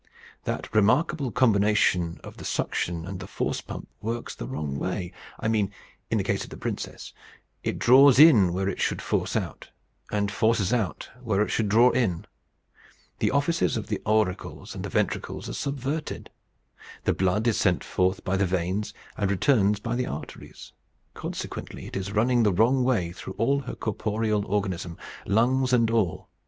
That remarkable combination of the suction and the force pump works the wrong way I mean in the case of the princess: it draws in where it should force out, and forces out where it should draw in. The offices of the auricles and the ventricles are subverted. The blood is sent forth by the veins, and returns by the arteries. Consequently it is running the wrong way through all her corporeal organism lungs and all.